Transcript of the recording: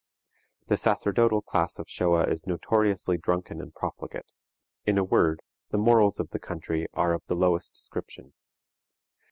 The sacerdotal class of Shoa is notoriously drunken and profligate; in a word, the morals of the country are of the lowest description.